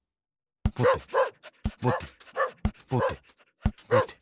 ぼてぼてぼてぼて。